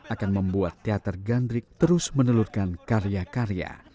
akan membuat teater gandrik terus menelurkan karya karya